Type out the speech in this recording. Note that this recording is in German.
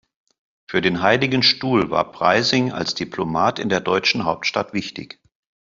Für den Heiligen Stuhl war Preysing als Diplomat in der deutschen Hauptstadt wichtig.